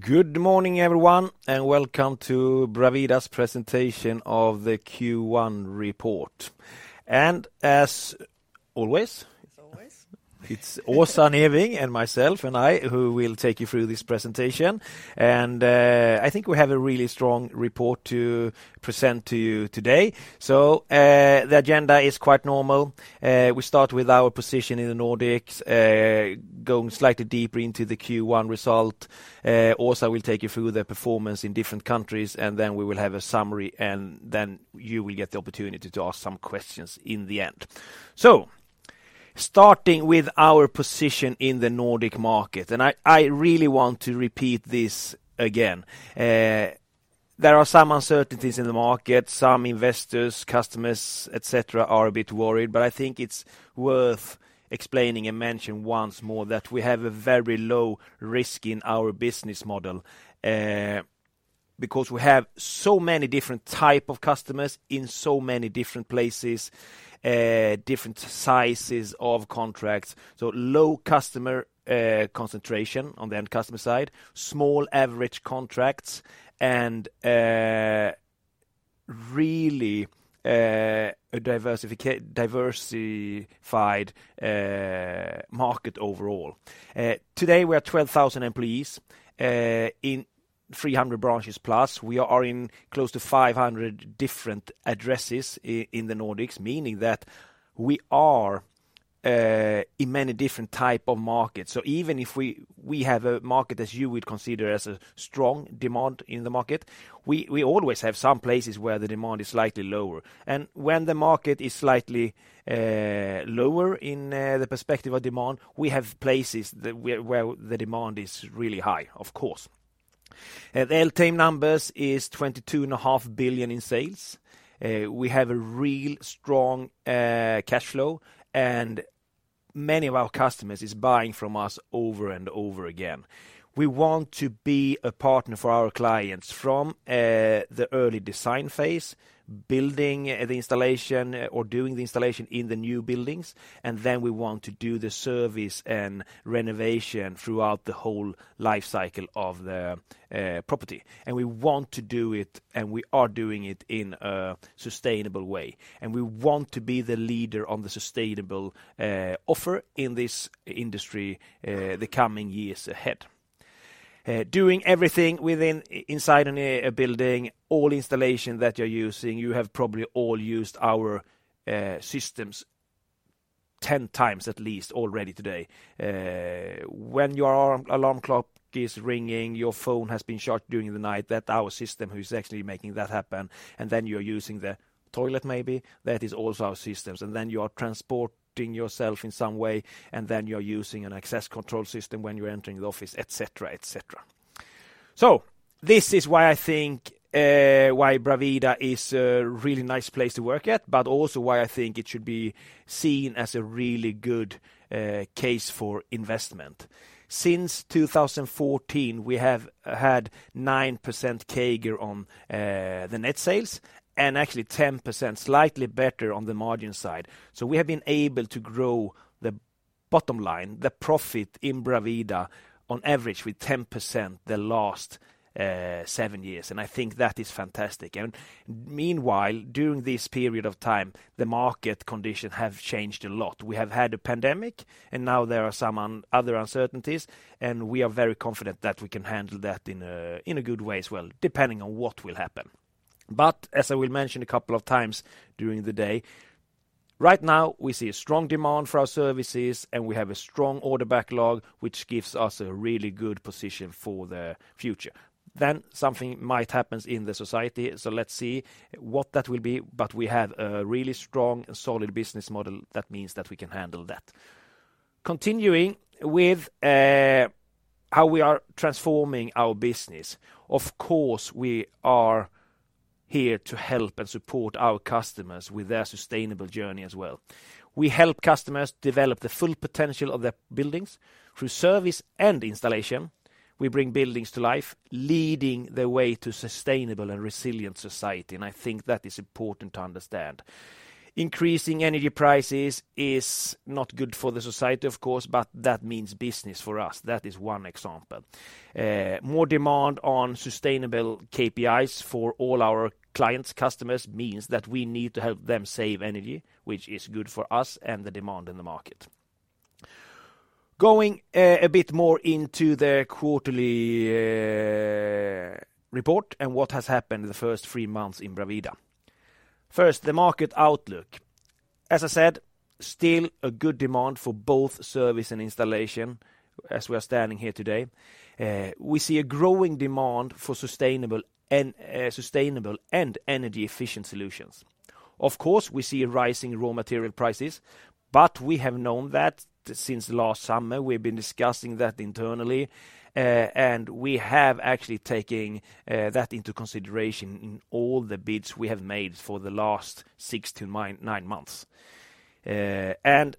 Good morning, everyone, and welcome to Bravida's presentation of the Q1 report. As always. It's Åsa Neving and myself, and I, who will take you through this presentation. I think we have a really strong report to present to you today. The agenda is quite normal. We start with our position in the Nordics, going slightly deeper into the Q1 result. Åsa will take you through the performance in different countries, and then we will have a summary, and then you will get the opportunity to ask some questions in the end. Starting with our position in the Nordic market, I really want to repeat this again. There are some uncertainties in the market. Some investors, customers, et cetera, are a bit worried, but I think it's worth explaining and mention once more that we have a very low risk in our business model. Because we have so many different type of customers in so many different places, different sizes of contracts, low customer concentration on the end customer side, small average contracts and really a diversified market overall. Today we are 12,000 employees in 300 branches plus. We are in close to 500 different addresses in the Nordics, meaning that we are in many different type of markets. Even if we have a market as you would consider as a strong demand in the market, we always have some places where the demand is slightly lower. When the market is slightly lower in the perspective of demand, we have places where the demand is really high, of course. The all-time numbers is 22.5 billion in sales. We have a real strong cash flow, and many of our customers is buying from us over and over again. We want to be a partner for our clients from the early design phase, building the installation or doing the installation in the new buildings, and then we want to do the service and renovation throughout the whole life cycle of the property. We want to do it, and we are doing it in a sustainable way. We want to be the leader on the sustainable offer in this industry, the coming years ahead. Doing everything within inside a building, all installation that you're using, you have probably all used our systems 10 times at least already today. When your alarm clock is ringing, your phone has been charged during the night, that our system who's actually making that happen. Then you're using the toilet maybe, that is also our systems. Then you are transporting yourself in some way, and then you're using an access control system when you're entering the office, et cetera, et cetera. This is why I think why Bravida is a really nice place to work at, but also why I think it should be seen as a really good case for investment. Since 2014, we have had 9% CAGR on the net sales and actually 10%, slightly better on the margin side. We have been able to grow the bottom line, the profit in Bravida on average with 10% the last seven years, and I think that is fantastic. Meanwhile, during this period of time, the market condition have changed a lot. We have had a pandemic, and now there are some other uncertainties, and we are very confident that we can handle that in a good way as well, depending on what will happen. As I will mention a couple of times during the day, right now, we see a strong demand for our services, and we have a strong order backlog, which gives us a really good position for the future. Something might happens in the society, so let's see what that will be. We have a really strong solid business model that means that we can handle that. Continuing with how we are transforming our business, of course, we are here to help and support our customers with their sustainable journey as well. We help customers develop the full potential of their buildings through service and installation. We bring buildings to life, leading the way to sustainable and resilient society, and I think that is important to understand. Increasing energy prices is not good for the society, of course, but that means business for us. That is one example. More demand on sustainable KPIs for all our clients, customers means that we need to help them save energy, which is good for us and the demand in the market. Going a bit more into the quarterly report and what has happened in the first three months in Bravida. First, the market outlook. As I said, still a good demand for both service and installation as we are standing here today. We see a growing demand for sustainable and energy-efficient solutions. Of course, we see a rise in raw material prices, but we have known that since last summer. We've been discussing that internally, and we have actually taking that into consideration in all the bids we have made for the last six to nine months. 50%,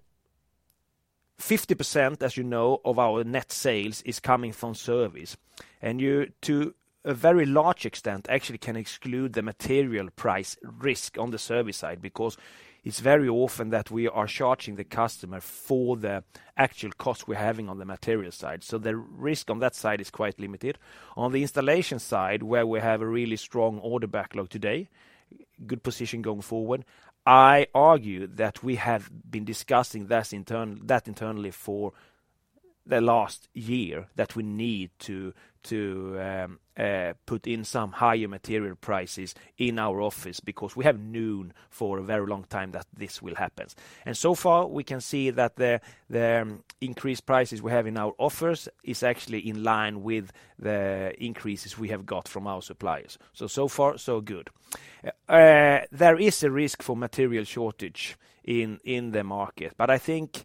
as you know, of our net sales is coming from service. You, to a very large extent, actually can exclude the material price risk on the service side because it's very often that we are charging the customer for the actual costs we're having on the material side. The risk on that side is quite limited. On the installation side, where we have a really strong order backlog today, good position going forward, I argue that we have been discussing that internally for the last year, that we need to put in some higher material prices in our offers because we have known for a very long time that this will happen. So far, we can see that the increased prices we have in our offers is actually in line with the increases we have got from our suppliers. So far, so good. There is a risk for material shortage in the market. I think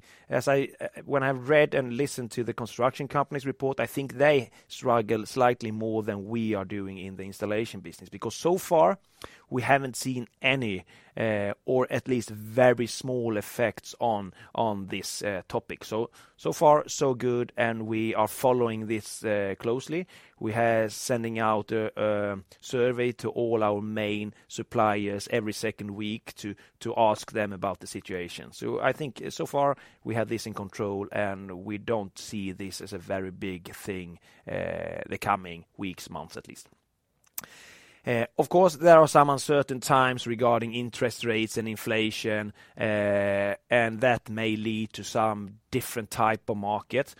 when I read and listened to the construction company's report, I think they struggle slightly more than we are doing in the installation business. So far, we haven't seen any, or at least very small effects on this topic. So far, so good, and we are following this closely. Sending out a survey to all our main suppliers every second week to ask them about the situation. I think so far, we have this in control, and we don't see this as a very big thing, the coming weeks, months, at least. Of course, there are some uncertain times regarding interest rates and inflation, and that may lead to some different type of markets.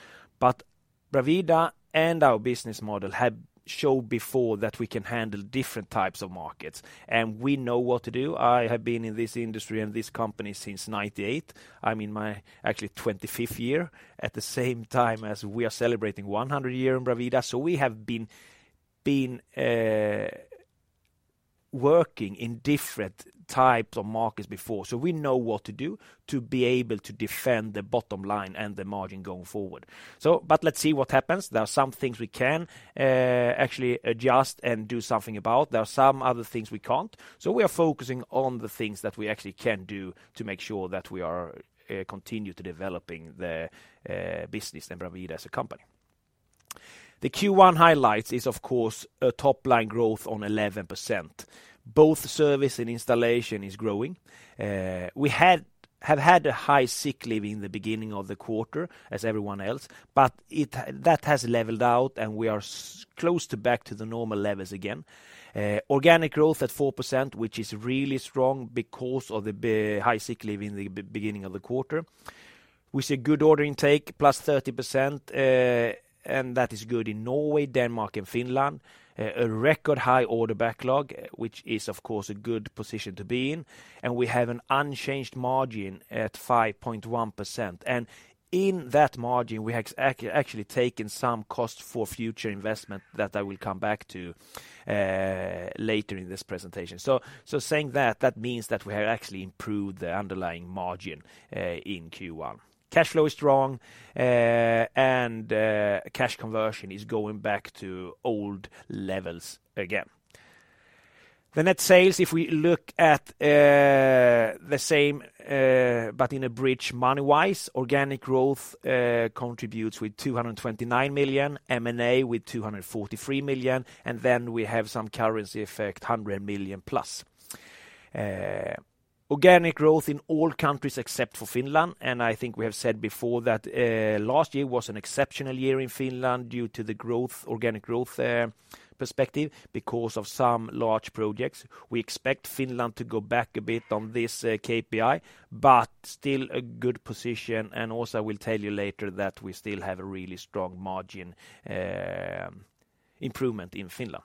Bravida and our business model have showed before that we can handle different types of markets, and we know what to do. I have been in this industry and this company since 1998. I'm in my, actually, 25th year at the same time as we are celebrating 100-year in Bravida. We have been working in different types of markets before. We know what to do to be able to defend the bottom line and the margin going forward. Let's see what happens. There are some things we can actually adjust and do something about. There are some other things we can't. We are focusing on the things that we actually can do to make sure that we are continue to developing the business in Bravida as a company. The Q1 highlights is, of course, a top line growth of 11%. Both service and installation is growing. We have had a high sick leave in the beginning of the quarter as everyone else, but that has leveled out, and we are close to back to the normal levels again. Organic growth at 4%, which is really strong because of the high sick leave in the beginning of the quarter. We see good order intake, plus 30%, and that is good in Norway, Denmark, and Finland. A record high order backlog, which is, of course, a good position to be in. We have an unchanged margin at 5.1%. In that margin, we have actually taken some cost for future investment that I will come back to, later in this presentation. Saying that means that we have actually improved the underlying margin in Q1. Cash flow is strong, and cash conversion is going back to old levels again. The net sales, if we look at, the same, but in a bridge money-wise, organic growth contributes with 229 million, M&A with 243 million, and then we have some currency effect, 100 million plus. Organic growth in all countries except for Finland. I think we have said before that, last year was an exceptional year in Finland due to the growth, organic growth, perspective because of some large projects. We expect Finland to go back a bit on this, KPI, but still a good position. I will tell you later that we still have a really strong margin, improvement in Finland.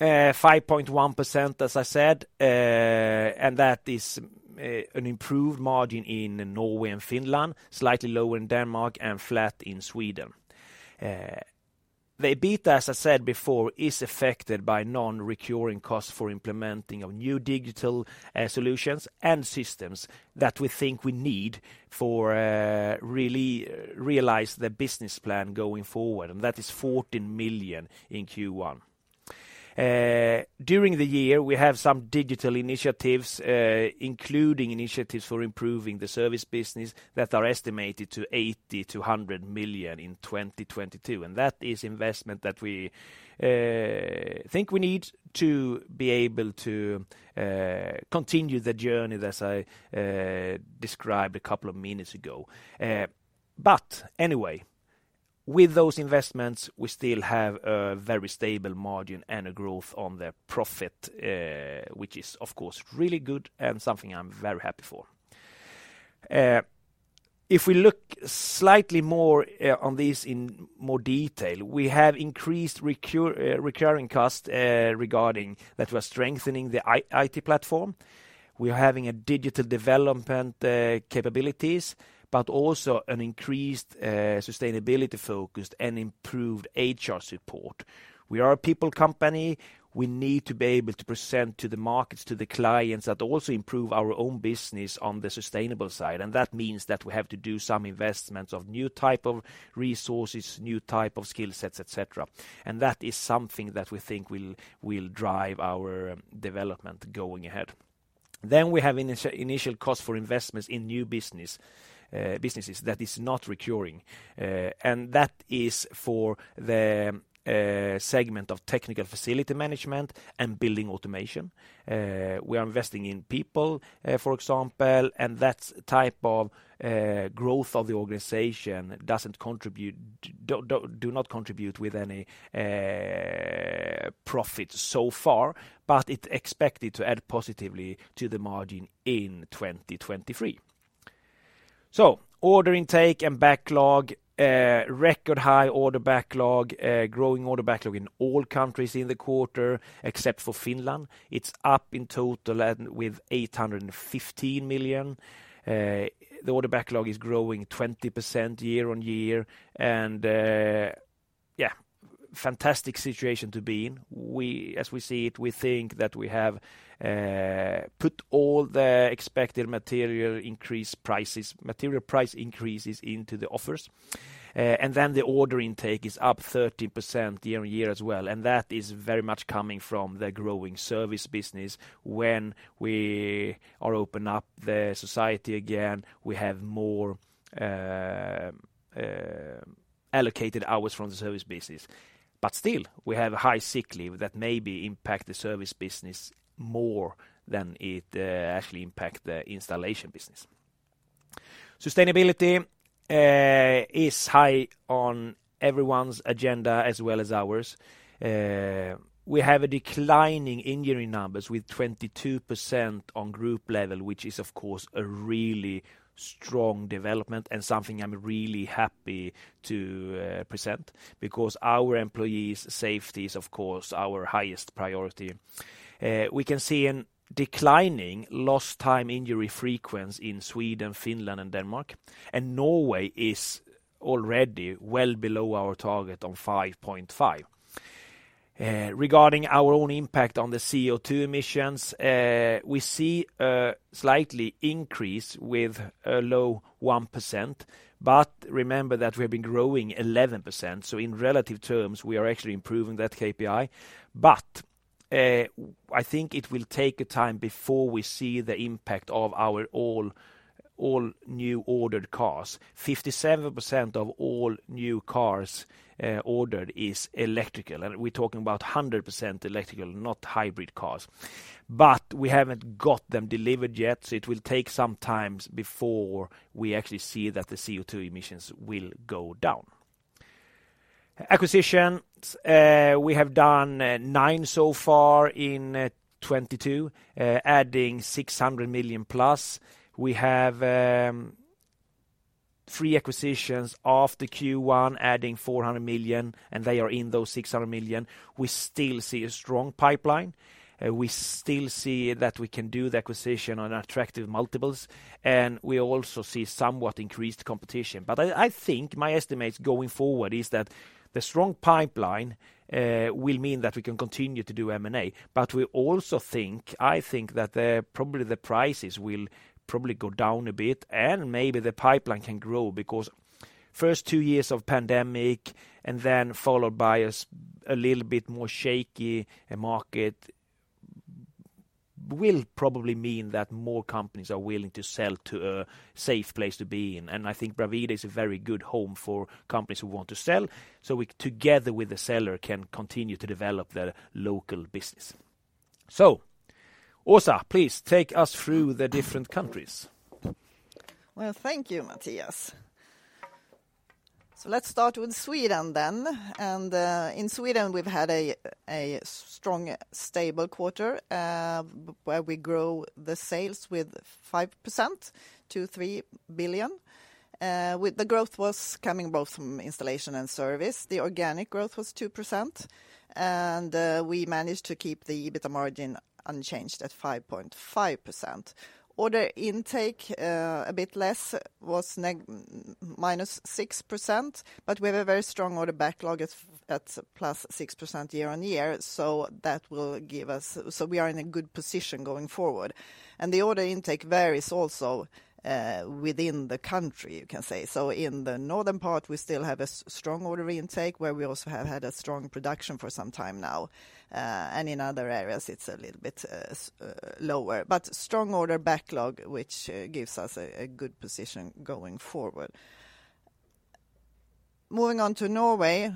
EBITA 5.1%, as I said, and that is an improved margin in Norway and Finland, slightly lower in Denmark and flat in Sweden. The EBITA, as I said before, is affected by non-recurring costs for implementing of new digital solutions and systems that we think we need for really realize the business plan going forward. That is 14 million in Q1. During the year, we have some digital initiatives, including initiatives for improving the service business that are estimated to 80 million-100 million in 2022. That is investment that we think we need to be able to continue the journey as I described a couple of minutes ago. Anyway, with those investments, we still have a very stable margin and a growth on the profit, which is of course really good and something I'm very happy for. If we look slightly more on this in more detail, we have increased recurring costs regarding that we're strengthening the IT platform. We are having a digital development capabilities, but also an increased sustainability focus and improved HR support. We are a people company. We need to be able to present to the markets, to the clients that also improve our own business on the sustainable side. That means that we have to do some investments of new type of resources, new type of skill sets, et cetera. That is something that we think will drive our development going ahead. We have initial cost for investments in new businesses that is not recurring. That is for the segment of Technical Facility Management and Building automation. We are investing in people, for example, and that type of growth of the organization does not contribute with any profits so far, but it expected to add positively to the margin in 2023. Order intake and backlog, record high order backlog, growing order backlog in all countries in the quarter except for Finland. It's up in total and with 815 million. The order backlog is growing 20% year-on-year and, yeah, fantastic situation to be in. We, as we see it, we think that we have put all the expected material increase prices, material price increases into the offers. Then the order intake is up 30% year-on-year as well. That is very much coming from the growing service business when we are open up the society again, we have more allocated hours from the service business. Still, we have a high sick leave that maybe impact the service business more than it actually impact the installation business. Sustainability is high on everyone's agenda as well as ours. We have a declining injury numbers with 22% on group level, which is of course a really strong development and something I'm really happy to present because our employees safety is of course our highest priority. We can see declining lost time injury frequency in Sweden, Finland, and Denmark, and Norway is already well below our target on 5.5. Regarding our own impact on the CO2 emissions, we see a slight increase with a low 1%, but remember that we have been growing 11%. In relative terms, we are actually improving that KPI. I think it will take some time before we see the impact of our all new ordered cars. 57% of all new cars ordered is electric, and we're talking about 100% electric, not hybrid cars. We haven't got them delivered yet, so it will take some time before we actually see that the CO2 emissions will go down. Acquisitions, we have done nine so far in 2022, adding SEK 600 million+. We have three acquisitions after Q1 adding 400 million, and they are in those 600 million. We still see a strong pipeline. We still see that we can do the acquisition on attractive multiples, and we also see somewhat increased competition. I think my estimates going forward is that the strong pipeline will mean that we can continue to do M&A. We also think I think that probably the prices will probably go down a bit and maybe the pipeline can grow because first two years of pandemic and then followed by a little bit more shaky market will probably mean that more companies are willing to sell to a safe place to be in. I think Bravida is a very good home for companies who want to sell, so we together with the seller can continue to develop their local business. Åsa, please take us through the different countries. Well, thank you, Mattias. Let's start with Sweden then. In Sweden, we've had a strong, stable quarter where we grow the sales with 5% to 3 billion. With the growth was coming both from installation and service. The organic growth was 2%, and we managed to keep the EBITDA margin unchanged at 5.5%. Order intake, a bit less was minus 6%, but we have a very strong order backlog at +6% year-on-year. We are in a good position going forward. The order intake varies also within the country, you can say. In the northern part, we still have a strong order intake, where we also have had a strong production for some time now. In other areas, it's a little bit lower. Strong order backlog, which gives us a good position going forward. Moving on to Norway.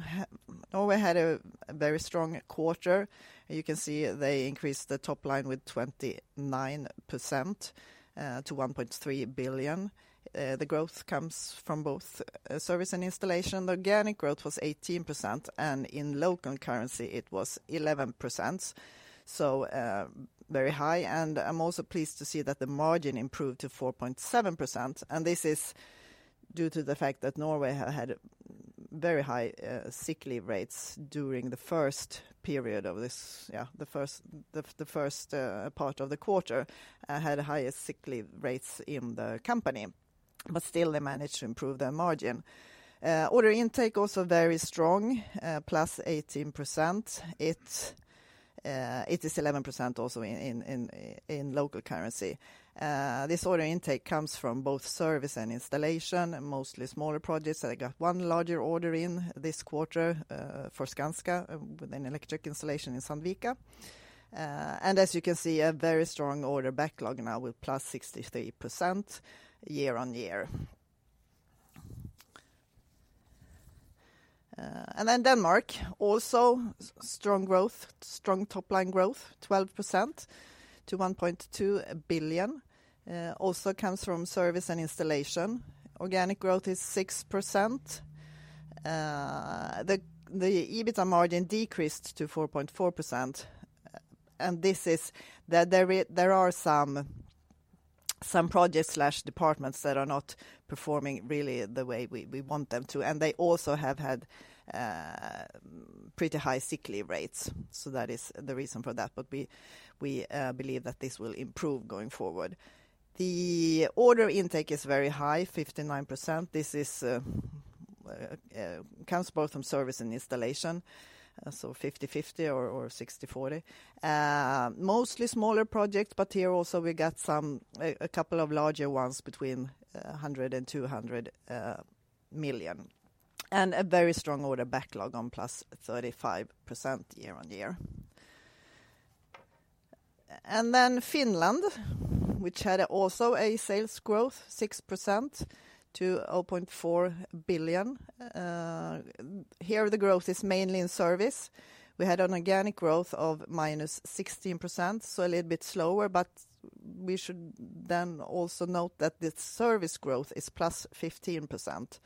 Norway had a very strong quarter. You can see they increased the top line with 29% to 1.3 billion. The growth comes from both service and installation. The organic growth was 18%, and in local currency, it was 11%. Very high. I'm also pleased to see that the margin improved to 4.7%, and this is due to the fact that Norway had very high sick leave rates during the first period of this, the first part of the quarter, had higher sick leave rates in the company. Still, they managed to improve their margin. Order intake also very strong, +18%. It is 11% also in local currency. This order intake comes from both service and installation, mostly smaller projects. I got one larger order in this quarter, for Skanska with an electric installation in Sandvika. As you can see, a very strong order backlog now with +63% year-on-year. Denmark also strong growth, strong top line growth, 12% to 1.2 billion, also comes from service and installation. Organic growth is 6%. The EBITDA margin decreased to 4.4%, and this is. There are some projects, departments that are not performing really the way we want them to, and they also have had pretty high sick leave rates, so that is the reason for that. We believe that this will improve going forward. The order intake is very high, 59%. This comes both from service and installation, so 50/50 or 60/40. Mostly smaller projects, but here also we got some a couple of larger ones between 100 million-200 million, and a very strong order backlog on +35% year-on-year. Finland, which had also a sales growth, 6% to 0.4 billion. Here the growth is mainly in service. We had an organic growth of -16%, so a little bit slower, but we should then also note that the service growth is +15%,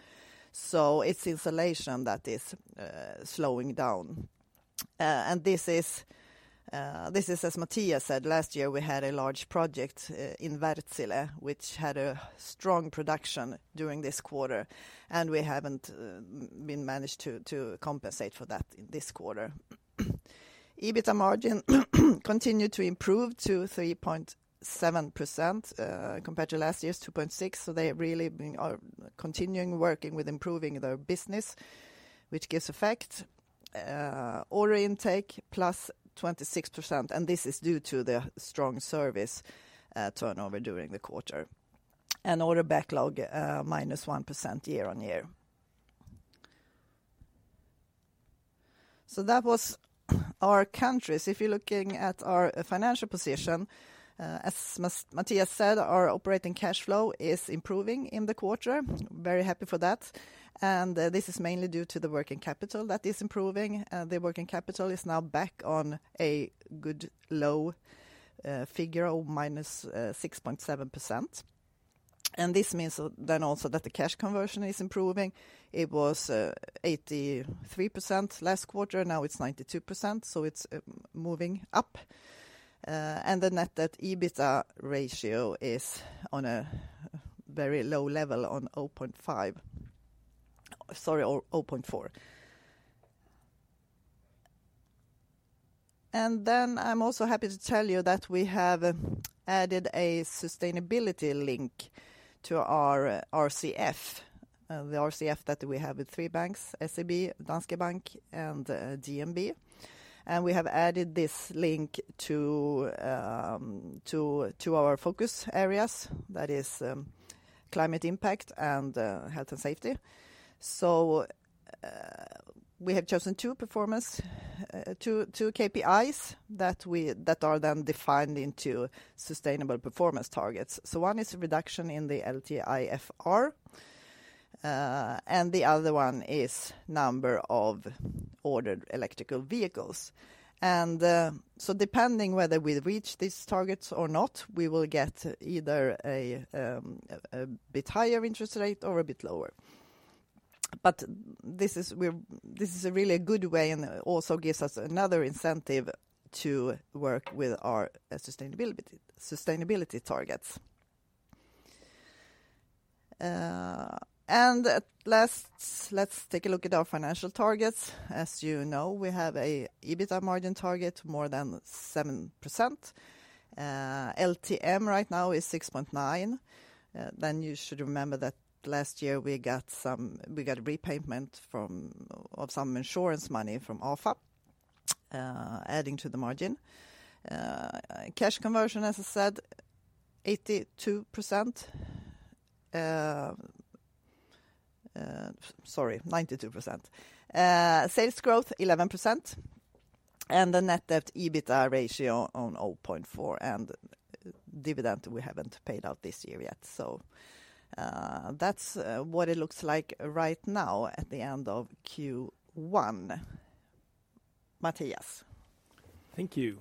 so it's installation that is slowing down. This is as Mattias said, last year we had a large project in Wärtsilä, which had a strong production during this quarter, and we haven't managed to compensate for that this quarter. EBITDA margin continued to improve to 3.7%, compared to last year's 2.6%, so they are continuing working with improving their business, which gives effect. Order intake +26%, and this is due to the strong service turnover during the quarter. Order backlog -1% year-on-year. That was our countries. If you're looking at our financial position, as Mattias said, our operating cash flow is improving in the quarter. Very happy for that. This is mainly due to the working capital that is improving. The working capital is now back on a good low figure of minus 6.7%. This means then also that the cash conversion is improving. It was 83% last quarter, now it's 92%, so it's moving up. The net debt EBITDA ratio is on a very low level of 0.4. I'm also happy to tell you that we have added a sustainability link to our RCF, the RCF that we have with three banks, SEB, Danske Bank, and DNB. We have added this link to our focus areas, that is, climate impact and health and safety. We have chosen two performance KPIs that are then defined into sustainable performance targets. One is a reduction in the LTIFR, and the other one is number of ordered electric vehicles. Depending whether we reach these targets or not, we will get either a bit higher interest rate or a bit lower. This is a really good way and also gives us another incentive to work with our sustainability targets. At last, let's take a look at our financial targets. As you know, we have an EBITDA margin target more than 7%. LTM right now is 6.9%. You should remember that last year we got a repayment of some insurance money from Afa, adding to the margin. Cash conversion, as I said, 92%. Sales growth, 11%. The net debt EBITDA ratio of 0.4, and dividend we haven't paid out this year yet. That's what it looks like right now at the end of Q1. Mattias. Thank you.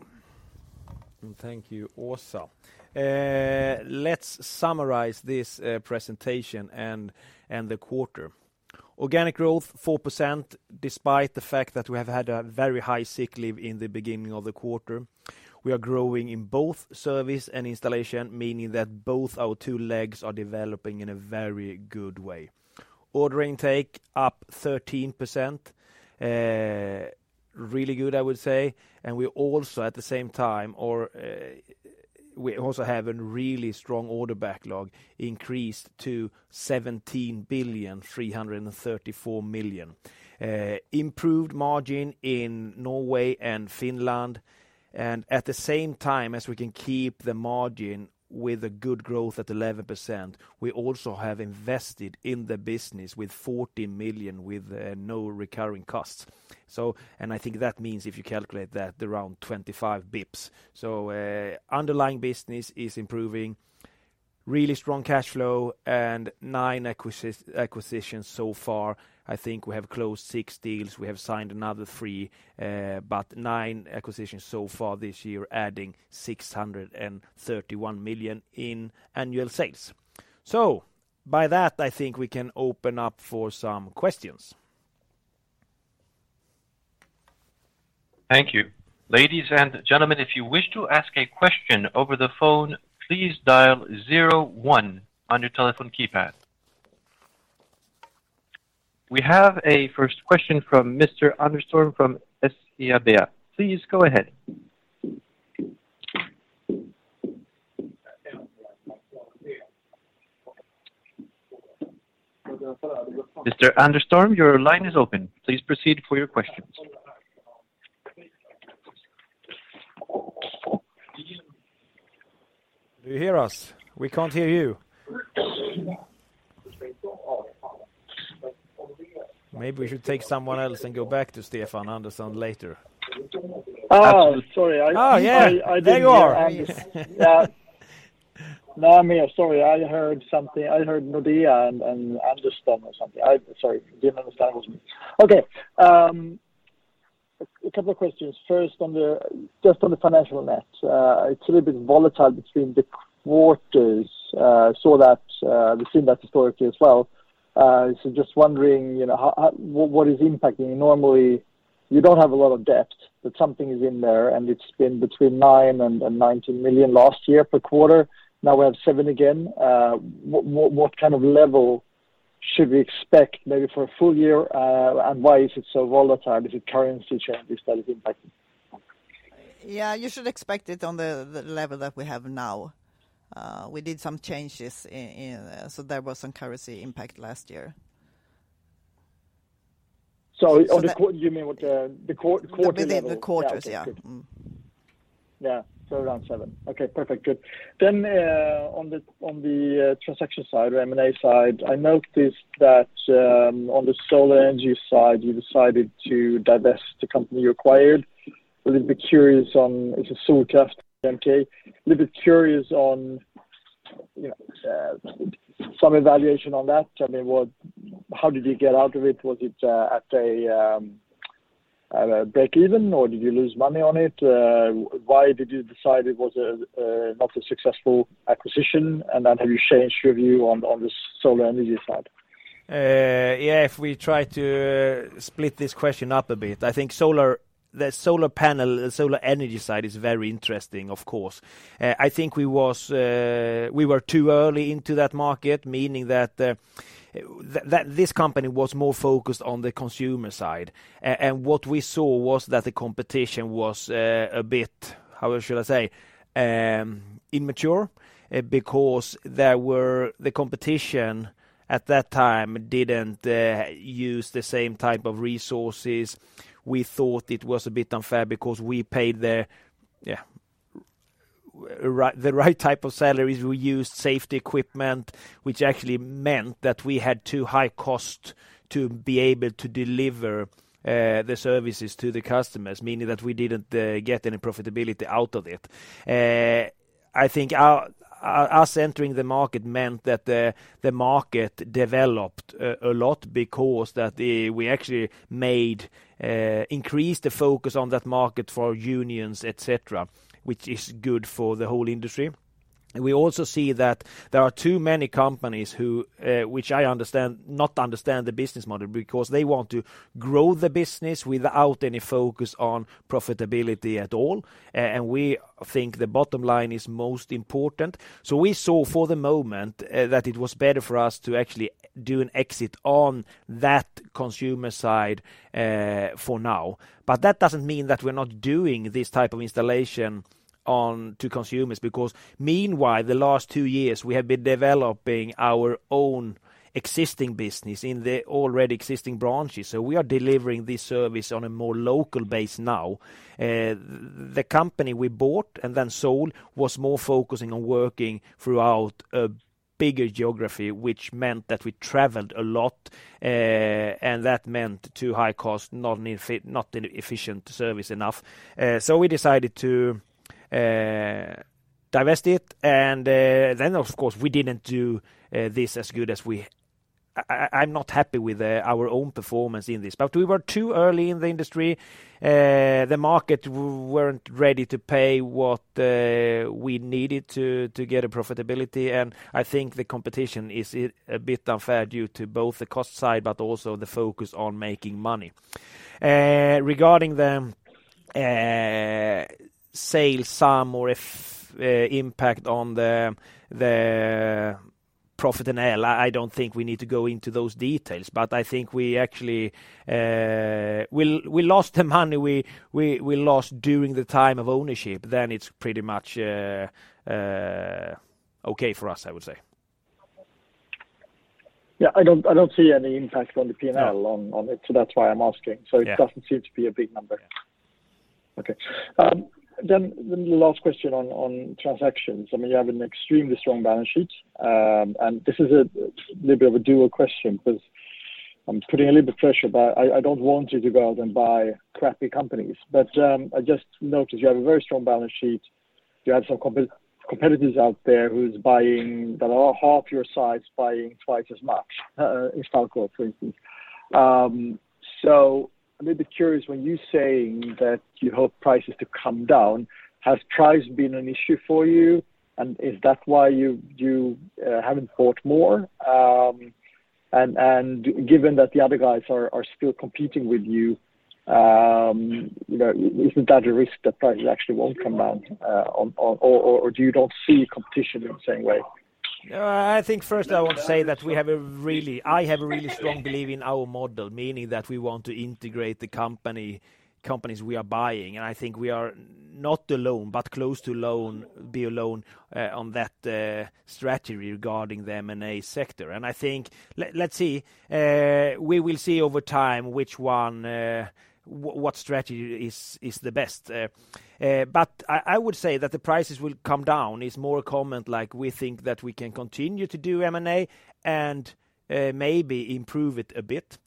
Thank you, Åsa. Let's summarize this presentation and the quarter. Organic growth 4%, despite the fact that we have had a very high sick leave in the beginning of the quarter. We are growing in both service and installation, meaning that both our two legs are developing in a very good way. Order intake up 13%. Really good, I would say. We also have a really strong order backlog increased to 17,334 million. Improved margin in Norway and Finland, and at the same time as we can keep the margin with a good growth at 11%, we also have invested in the business with 40 million, with no recurring costs. I think that means if you calculate that around 25 basis points. Underlying business is improving. Really strong cash flow and nine acquisitions so far. I think we have closed six deals. We have signed another three, but nine acquisitions so far this year, adding 631 million in annual sales. By that, I think we can open up for some questions. Thank you. Ladies and gentlemen, if you wish to ask a question over the phone, please dial zero one on your telephone keypad. We have a first question from Mr. Andersson from SEB. Please go ahead. Mr. Andersson, your line is open. Please proceed for your questions. Do you hear us? We can't hear you. Maybe we should take someone else and go back to Stefan Andersson later. Oh, sorry. Oh, yeah. There you are. Yeah. No, I'm here. Sorry. I heard something. I heard Nordea and Anderström or something. I'm sorry. Didn't understand. Okay. A couple of questions. First, just on the financial net, it's a little bit volatile between the quarters. Saw that we've seen that historically as well. So just wondering, you know, what is impacting? Normally, you don't have a lot of debt, but something is in there, and it's been between 9 million and 19 million last year per quarter. Now we have 7 million again. What kind of level should we expect maybe for a full year, and why is it so volatile? Is it currency changes that is impacting? Yeah, you should expect it on the level that we have now. We did some changes in. There was some currency impact last year. So- So that- You mean with the quarter level? The quarters, yeah. Around seven. Okay, perfect. Good. On the transaction side, the M&A side, I noticed that on the solar energy side, you decided to divest the company you acquired. It's a Solkraft EMK. A little bit curious on, you know, some evaluation on that. I mean, how did you get out of it? Was it at a breakeven, or did you lose money on it? Why did you decide it was not a successful acquisition? Have you changed your view on the solar energy side? If we try to split this question up a bit, I think solar, the solar panel, solar energy side is very interesting, of course. I think we were too early into that market, meaning that this company was more focused on the consumer side. What we saw was that the competition was a bit, how should I say, immature, because the competition at that time didn't use the same type of resources. We thought it was a bit unfair because we paid the right type of salaries. We used safety equipment, which actually meant that we had too high cost to be able to deliver the services to the customers, meaning that we didn't get any profitability out of it. I think our entering the market meant that the market developed a lot because we actually increased the focus on that market for unions, et cetera, which is good for the whole industry. We also see that there are too many companies who I understand do not understand the business model because they want to grow the business without any focus on profitability at all. We think the bottom line is most important. We saw for the moment that it was better for us to actually do an exit on that consumer side for now. That doesn't mean that we're not doing this type of installation to consumers, because meanwhile, the last two years, we have been developing our own existing business in the already existing branches. We are delivering this service on a more local base now. The company we bought and then sold was more focusing on working throughout a bigger geography, which meant that we traveled a lot, and that meant too high cost, not an efficient service enough. We decided to divest it. Of course, we didn't do this as good as we. I'm not happy with our own performance in this. We were too early in the industry. The market weren't ready to pay what we needed to get a profitability. I think the competition is a bit unfair due to both the cost side, but also the focus on making money. Regarding the sales sum or the impact on the P&L, I don't think we need to go into those details. I think we actually lost the money we lost during the time of ownership, then it's pretty much okay for us, I would say. Yeah, I don't see any impact on the P&L. No on it. That's why I'm asking. Yeah. It doesn't seem to be a big number. Okay. Then the last question on transactions. I mean, you have an extremely strong balance sheet. And this is a little bit of a dual question because I'm putting a little bit pressure, but I don't want you to go out and buy crappy companies. I just noticed you have a very strong balance sheet. You have some competitors out there who's buying that are half your size, buying twice as much in stock, for instance. I'm a little bit curious when you saying that you hope prices to come down, has price been an issue for you? And is that why you haven't bought more? Given that the other guys are still competing with you know, isn't that a risk that prices actually won't come down, or do you don't see competition in the same way? I think first I want to say that I have a really strong belief in our model, meaning that we want to integrate the company, companies we are buying, and I think we are not alone, but close to alone, on that strategy regarding the M&A sector. I think, let's see, we will see over time which one, what strategy is the best. I would say that the prices will come down is more a comment like we think that we can continue to do M&A and maybe improve it a bit.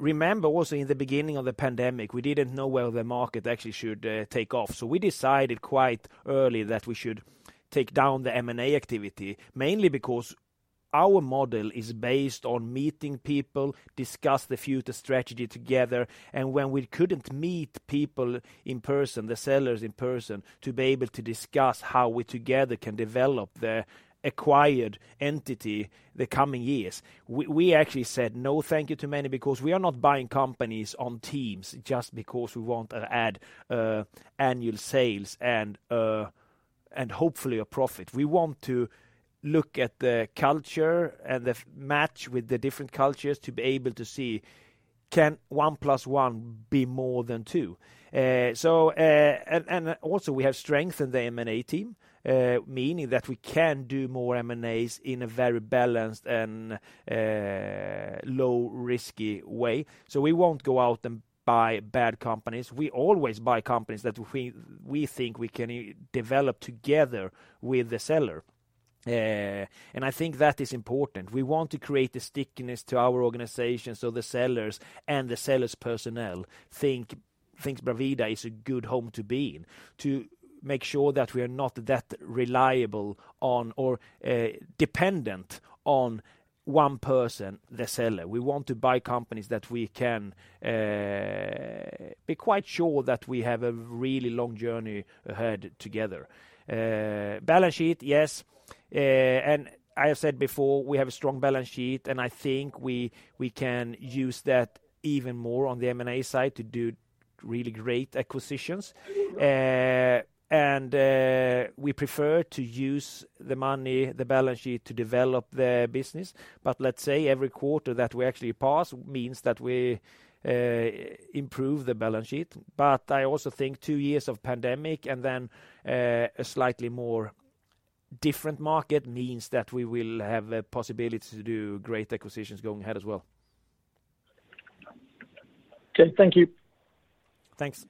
Remember also in the beginning of the pandemic, we didn't know where the market actually should take off. We decided quite early that we should take down the M&A activity, mainly because our model is based on meeting people, discuss the future strategy together. When we couldn't meet people in person, the sellers in person, to be able to discuss how we together can develop the acquired entity the coming years, we actually said, "No, thank you," to many because we are not buying companies on Teams just because we want to add annual sales and hopefully a profit. We want to look at the culture and the match with the different cultures to be able to see can one plus one be more than two. Also we have strength in the M&A team, meaning that we can do more M&As in a very balanced and low risky way. We won't go out and buy bad companies. We always buy companies that we think we can develop together with the seller. I think that is important. We want to create the stickiness to our organization so the sellers and the sellers' personnel think Bravida is a good home to be in, to make sure that we are not that reliant on dependent on one person, the seller. We want to buy companies that we can be quite sure that we have a really long journey ahead together. Balance sheet, yes. I have said before, we have a strong balance sheet, and I think we can use that even more on the M&A side to do really great acquisitions. We prefer to use the money, the balance sheet to develop the business. Let's say every quarter that we actually pass means that we improve the balance sheet. I also think two years of pandemic and then a slightly more different market means that we will have a possibility to do great acquisitions going ahead as well. Okay. Thank you. Thanks.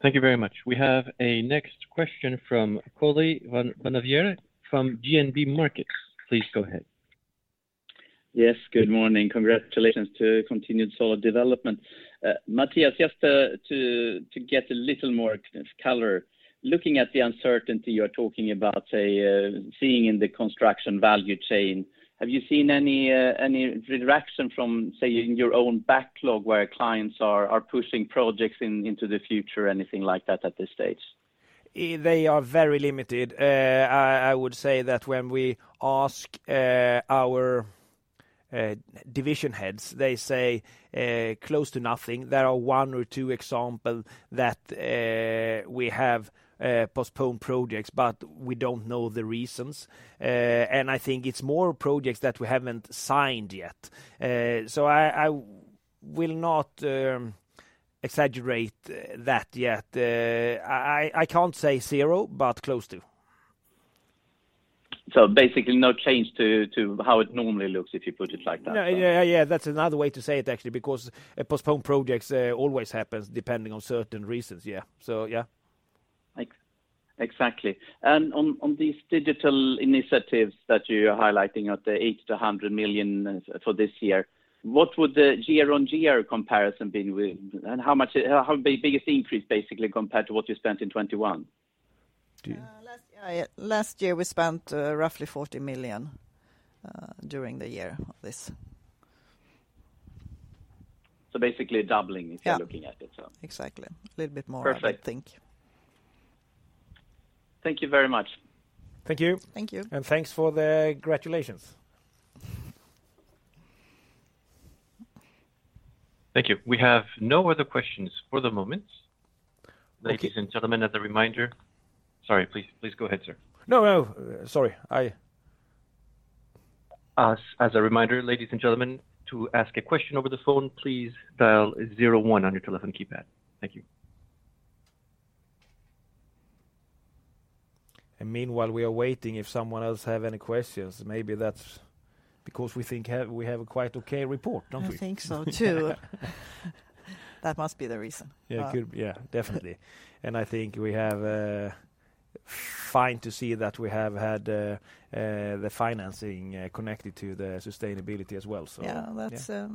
Thank you very much. We have a next question from Karl-Johan Bonnevier from DNB Markets. Please go ahead. Yes, good morning. Congratulations to continued solid development. Mattias, just to get a little more color, looking at the uncertainty you're talking about, say, seeing in the construction value chain, have you seen any reduction from, say, in your own backlog where clients are pushing projects into the future, anything like that at this stage? They are very limited. I would say that when we ask our division heads, they say close to nothing. There are one or two examples that we have postponed projects, but we don't know the reasons. I think it's more projects that we haven't signed yet. I will not exaggerate that yet. I can't say zero, but close to. Basically no change to how it normally looks if you put it like that? Yeah. Yeah, that's another way to say it, actually, because postponed projects always happens depending on certain reasons. Yeah. Yeah. Exactly. On these digital initiatives that you are highlighting at the 80 million-100 million for this year, what would the year-on-year comparison been with? How big is the increase, basically, compared to what you spent in 2021? Last year, we spent roughly 40 million during the year of this. Basically doubling. Yeah If you're looking at it. Exactly. A little bit more. Perfect I think. Thank you very much. Thank you. Thank you. Thanks for the congratulations. Thank you. We have no other questions for the moment. Thank you. Sorry, please go ahead, sir. No, no. Sorry. As a reminder, ladies and gentlemen, to ask a question over the phone, please dial zero one on your telephone keypad. Thank you. Meanwhile we are waiting, if someone else have any questions, maybe that's because we have a quite okay report, don't we? I think so, too. That must be the reason. Yeah, definitely. I think we have been able to see that we have had the financing connected to the sustainability as well. Yeah. Yeah.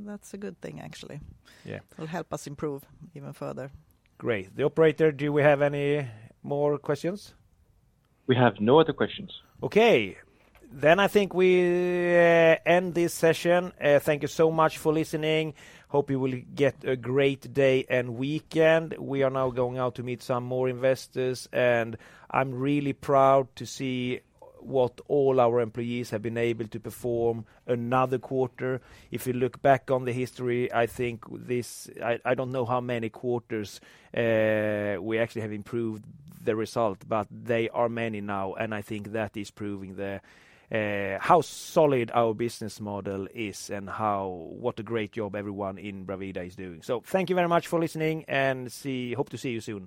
That's a good thing, actually. Yeah. It'll help us improve even further. Great. The operator, do we have any more questions? We have no other questions. Okay. I think we end this session. Thank you so much for listening. Hope you will get a great day and weekend. We are now going out to meet some more investors, and I'm really proud to see what all our employees have been able to perform another quarter. If you look back on the history, I think I don't know how many quarters we actually have improved the result, but they are many now, and I think that is proving how solid our business model is and what a great job everyone in Bravida is doing. Thank you very much for listening. Hope to see you soon.